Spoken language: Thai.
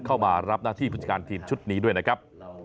เข้ามารับหน้าที่ผู้จัดการทีมชุดนี้ด้วยนะครับ